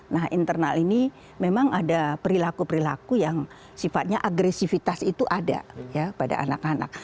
nah internal ini memang ada perilaku perilaku yang sifatnya agresivitas itu ada pada anak anak